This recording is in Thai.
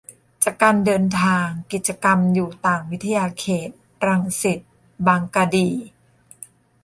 จากการเดินทาง กิจกรรมอยู่ต่างวิทยาเขต รังสิต-บางกะดี